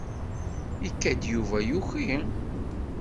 Ikad-d Yuba yuki.